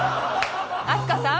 飛鳥さん！